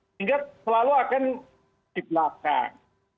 sehingga selalu akan di belakang